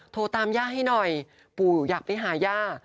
โทรตามย่าให้หน่อยปู่อยากไปหาย่า